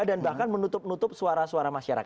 dan bahkan menutup nutup sebuah kata kata yang tidak benar